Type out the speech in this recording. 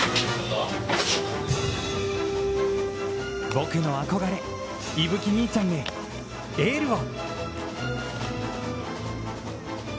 僕の憧れ、勇吹兄ちゃんへエールを。